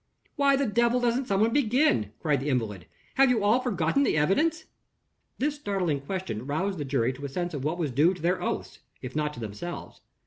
"Why the devil doesn't somebody begin?" cried the invalid. "Have you all forgotten the evidence?" This startling question roused the jury to a sense of what was due to their oaths, if not to themselves.